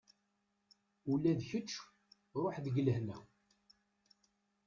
Ula d kečč ruḥ deg lehna.